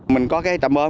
mình có cái trạm bơm